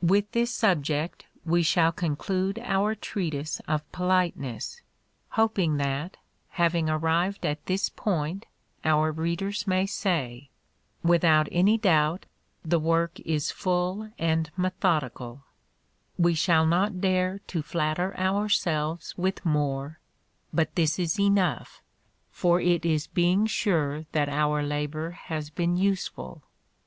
With this subject, we shall conclude our treatise of politeness; hoping that, having arrived at this point, our readers may say, 'Without any doubt the work is full and methodical;' we shall not dare to flatter ourselves with more, but this is enough, for it is being sure that our labor has been useful.